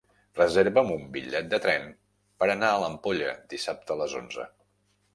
Reserva'm un bitllet de tren per anar a l'Ampolla dissabte a les onze.